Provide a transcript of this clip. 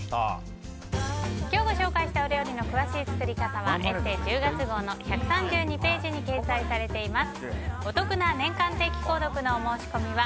今日ご紹介した料理の詳しい作り方は「ＥＳＳＥ」１０月号の１３２ページに掲載しています。